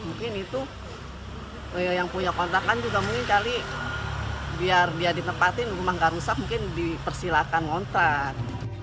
mungkin itu yang punya kontrakan juga mungkin kali biar dia ditempatin rumah nggak rusak mungkin dipersilakan ngontrak